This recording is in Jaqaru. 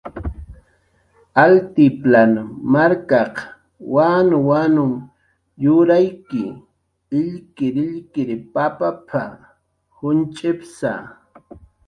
"Altiplan markaq wanwan yurayk illkirillkir papap""a, junch'psa"